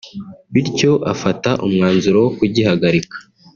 bityo afata umwanzuro wo kugihagarika